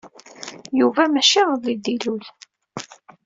Yuba maci iḍelli ay d-ilul.